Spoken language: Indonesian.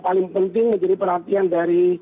paling penting menjadi perhatian dari